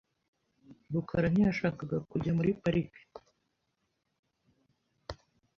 rukara ntiyashakaga kujya muri parike .